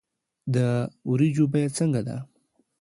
د ورجو بیه څنګه ده